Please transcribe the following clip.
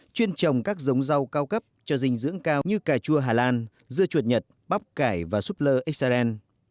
chuyên trồng các giống rau cao cấp cho dinh dưỡng cao như cà chua hà lan dưa chuột nhật bắp cải và súp lơ israel